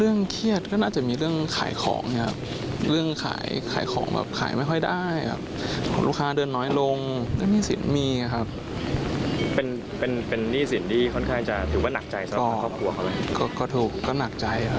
คือนอกจากจะหนักใจแต่ลงการยอดขายยิดลดลงที่ถุดนะคะบริดั้งนี่สิน